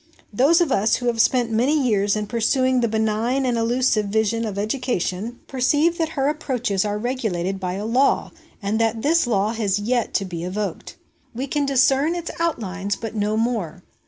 Those of us, who have spent many years in pursuing the benign and elusive vision of Education, perceive u X PREFACE TO THE ' HOME EDUCATION ' SERIES that her approaches are regulated by a law, and that this law has yet to be evoked. We can discern its outlines, but no more.